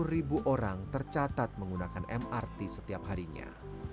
dua puluh ribu orang tercatat menggunakan mrt setiap harinya